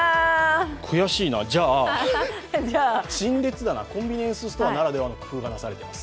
悔しいな、じゃあ陳列棚、コンビニエンスストアならではの工夫がされています。